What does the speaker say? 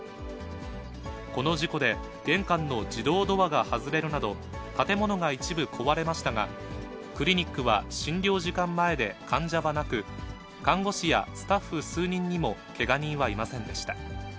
この事故で玄関の自動ドアが外れるなど、建物が一部壊れましたが、クリニックは診療時間前で患者はなく、看護師やスタッフ数人にもけが人はいませんでした。